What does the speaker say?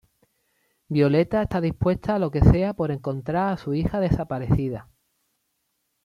Violeta está dispuesta a lo que sea por encontrar a su hija desaparecida.